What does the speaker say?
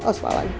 oh suara lagi